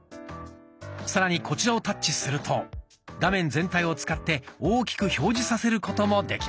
さらにこちらをタッチすると画面全体を使って大きく表示させることもできます。